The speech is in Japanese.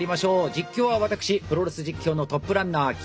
実況は私プロレス実況のトップランナー清野茂樹です。